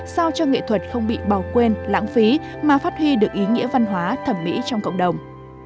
sao cho nghệ thuật không bị bào quên lãng phí mà phát huy được ý nghĩa văn hóa thẩm mỹ trong cộng đồng